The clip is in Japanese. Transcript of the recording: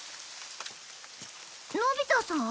のび太さん？